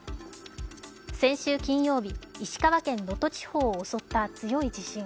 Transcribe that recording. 先週金曜日、石川県能登地方を襲った強い地震。